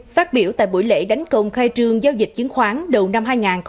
phát biểu tại buổi lễ đánh công khai trương giao dịch chứng khoán đầu năm hai nghìn hai mươi bốn